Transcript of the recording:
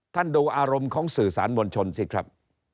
ท่านดูอารมณ์ของสื่อสารบนชนสิครับ